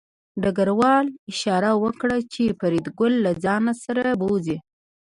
ډګروال اشاره وکړه چې فریدګل له ځان سره بوځي